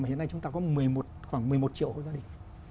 hiện nay chúng ta có khoảng một mươi một triệu hộ gia đình